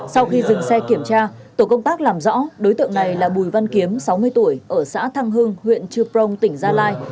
sau khi dừng xe kiểm tra tổ công tác làm rõ đối tượng này là bùi văn kiếm sáu mươi tuổi ở xã thăng hưng huyện chư prong tỉnh gia lai